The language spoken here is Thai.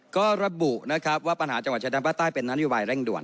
ก็ระบุว่าปัญหาจังหาดชาติดังบ้าใต้เป็นนโยบายเร่งด่วน